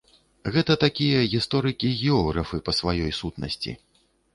Гэта такія гісторыкі-географы па сваёй сутнасці.